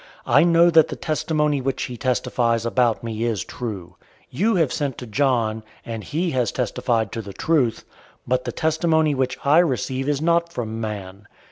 I know that the testimony which he testifies about me is true. 005:033 You have sent to John, and he has testified to the truth. 005:034 But the testimony which I receive is not from man.